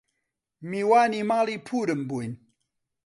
میوانی ماڵی پوورم بووین